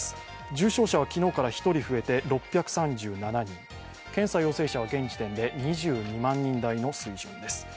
重症者は昨日から１人増えて６３７人、検査陽性者は現時点で２２万人台の水準です。